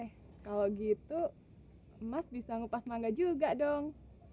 eh kalau gitu emas bisa ngupas mangga juga dong